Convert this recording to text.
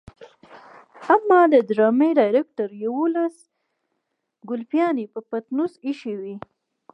اما د ډرامې ډايرکټر يوولس ګلپيانې په پټنوس کې ايښې وي.